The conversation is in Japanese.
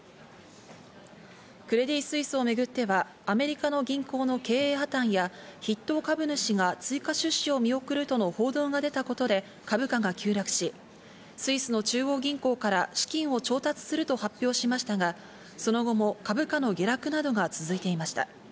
クレディ・スイスをめぐっては、アメリカの銀行の経営破綻や筆頭株主が追加出資を見送るとの報道が出たことで、株価が急落し、スイスの中央銀行から資金を調達すると発表しましたが、その後も株価の下落などが続いていました。